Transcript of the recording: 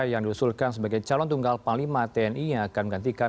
yang diusulkan sebagai calon tunggal panglima tni yang akan menggantikan